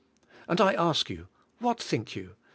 And I ask you: What think you?